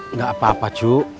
nggak apa apa cu